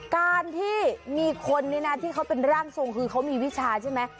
การที่มีคนนี้นะที่เขาเป็นร่างทรงคือเขามีวิชาใช่ไหม